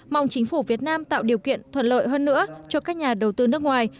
mong chính phủ việt nam tạo điều kiện thuận lợi hơn nữa cho các nhà đầu tư nước ngoài